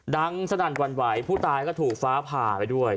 ดังสนั่นหวั่นไหวผู้ตายก็ถูกฟ้าผ่าไปด้วย